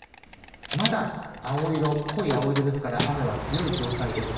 まだ濃い青色ですから雨は強い状態です。